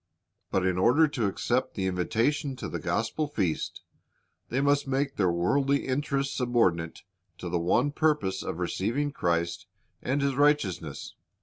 "^ But in order to accept the invitation to the gospel feast, they must make their worldly interests subordinate to the one purpose of receiving Christ and His righteousness.